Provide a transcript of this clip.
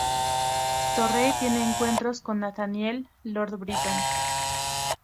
Torrey, tiene encuentros con Nathaniel Lord Britton.